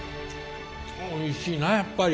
おいしいなやっぱり。